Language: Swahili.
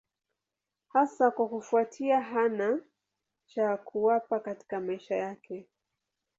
Hasa kwa kufuatia hana cha kuwapa katika maisha yake.